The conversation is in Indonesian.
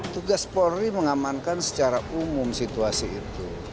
tugas polri mengamankan secara umum situasi itu